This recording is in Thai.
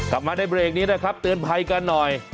กลับมาในเบรกนี้นะครับเตือนภัยกันหน่อย